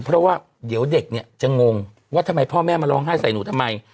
เพราะว่าเดี๋ยวเด็กเนี่ยจะงงว่าทำไมพ่อแม่มาร้องไห้ใส่หนูทำไม